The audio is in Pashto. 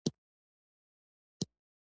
پوهان د حل لاره ولټوي.